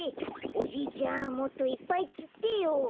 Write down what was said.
おじいちゃんもっといっぱいつってよ。